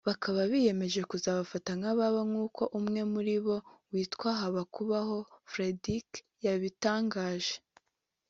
bakaba biyemeje kuzabafata nk’ababo nk’uko umwe muri bo witwa Habakubaho Frédéric yabitangaje